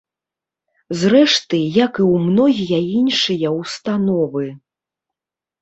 Зрэшты, як і ў многія іншыя ўстановы.